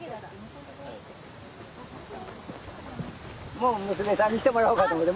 もう娘さんにしてもらおうかと思って。